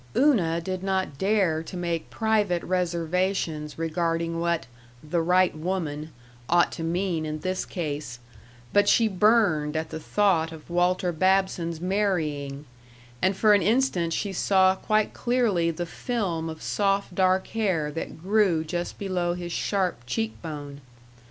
Una did not dare to make private reservations regarding what "the right woman" ought to mean in this case, but she burned at the thought of Walter Babson's marrying, and for an instant she saw quite clearly the film of soft dark hair that grew just below his sharp cheek bone.